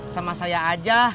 sama saya aja